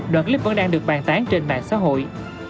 đoạn clip vẫn đang được bàn tán trên mạng xã hội